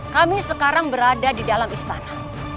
kami sekarang berada di dalam istana